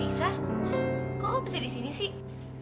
lisa kok kamu bisa di sini sih